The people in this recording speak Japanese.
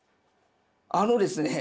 あのですね